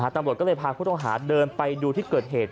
ตำรวจก็เลยพาผู้ต้องหาเดินไปดูที่เกิดเหตุ